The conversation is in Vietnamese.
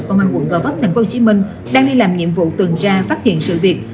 công an quận gò vấp tp hcm đang đi làm nhiệm vụ tuần tra phát hiện sự việc